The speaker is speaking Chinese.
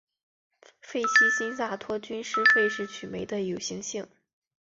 费希新萨托菌是费氏曲霉的有性型。